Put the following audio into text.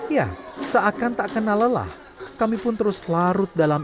ya seakan tak kenal lelah kami pun terus larut dalam